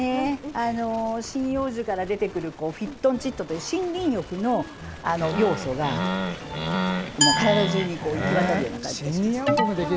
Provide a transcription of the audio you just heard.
針葉樹から出てくるフィトンチッドという森林浴の要素が、体中にいきわたるような感じで。